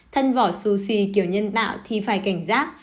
thân vỏ xù xì kiểu nhân tạo thì phải cảnh giác